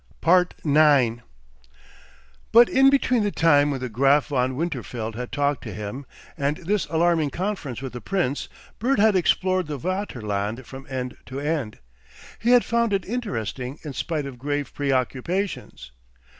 9 But in between the time when the Graf von Winterfeld had talked to him and this alarming conference with the Prince, Bert had explored the Vaterland from end to end. He had found it interesting in spite of grave preoccupations.